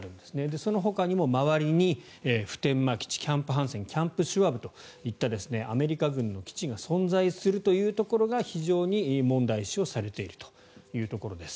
そのほかにも周りに普天間基地キャンプ・ハンセンキャンプ・シュワブといったアメリカ軍の基地が存在するというところが非常に問題視をされているというところです。